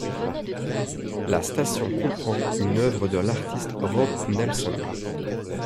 La station comprend une œuvre de l'artiste Rob Neilson.